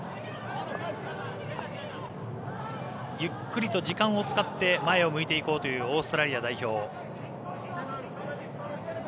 ゆっくりと時間を使って前を向いていこうというオーストラリア代表。